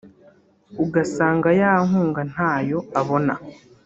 ugasanga ya nkunga ntayo abona